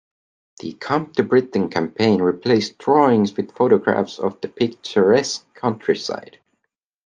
The "Come to Britain" campaign replaced drawings with photographs of the picturesque countryside.